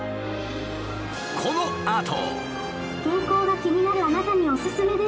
このあと。